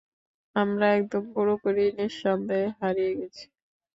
আমরা একদম, পুরোপুরি নিঃসন্দেহে হারিয়ে গেছি।